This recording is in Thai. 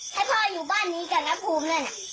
ให้พ่ออยู่บ้านนี้กับน้าภูมิด้วยนะ